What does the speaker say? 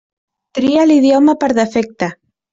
Tria l'idioma per defecte.